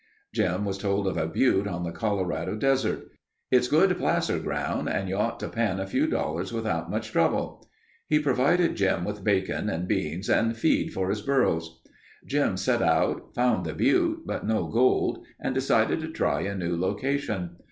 Jim was told of a butte on the Colorado Desert. "It's good placer ground and you ought to pan a few dollars without much trouble...." He provided Jim with bacon and beans and feed for his burros. Jim set out, found the butte, but no gold and decided to try a new location.